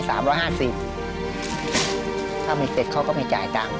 ถ้าไม่เสร็จเขาก็ไม่จ่ายต่าง